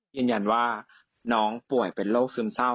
ยืนยันว่าน้องป่วยเป็นโรคซึมเศร้า